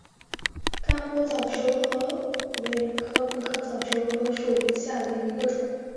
甘波早熟禾为禾本科早熟禾属下的一个种。